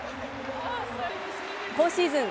今シーズン